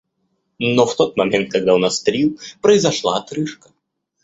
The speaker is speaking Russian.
Но в тот момент, когда он острил, произошла отрыжка.